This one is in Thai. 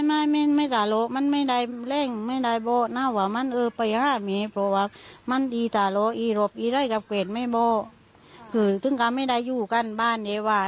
อ่ะก็ต้องขอแก้ข่าวตรงนี้คุณยายบอกนะครับว่า